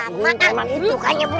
aku lah itu